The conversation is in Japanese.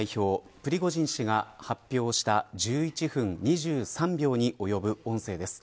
プリゴジン氏が発表した１１分２３秒に及ぶ音声です。